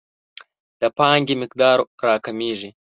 د پانګې مقدار راکمیږي.